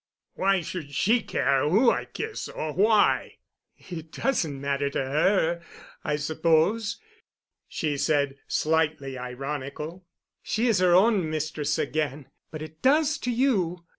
Why should she care who I kiss—or why?" "It doesn't matter to her, I suppose," she said, slightly ironical; "she is her own mistress again, but it does to you.